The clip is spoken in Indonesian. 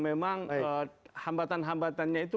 memang hambatan hambatannya itu